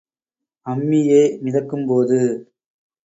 அம்மியே மிதக்கும் போது.